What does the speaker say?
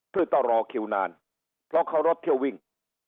เพื่อต้องรอคิวนานเพราะเขารถเที่ยววิ่ง